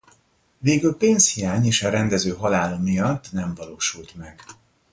Végül pénzhiány és a rendező halála miatt nem valósult meg.